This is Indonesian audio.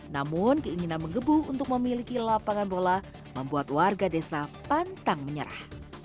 namun keinginan mengebu untuk memiliki lapangan bola membuat warga desa pantang menyerah